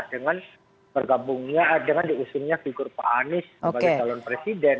dengan bergabungnya dengan diusungnya figur pak anies sebagai calon presiden